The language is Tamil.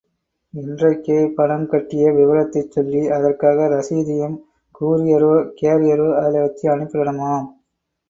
இன்றைக்கே பணம் கட்டிய விவரத்தைச் சொல்லி, அதற்காக ரசீதையும் கூரியரோ, கேரியரோ அதுல வச்சு அனுப்பிடனுமாம்.